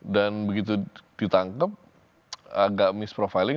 dan begitu ditangkap agak misprofiling